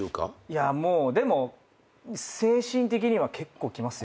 いやもうでも精神的には結構きますよ。